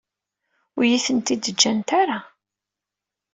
Ur iyi-ten-id-ǧǧant ara.